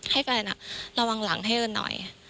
ให้แฟนระวังหลังให้กันหน่อย